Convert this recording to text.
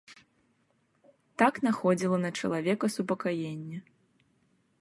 Так находзіла на чалавека супакаенне.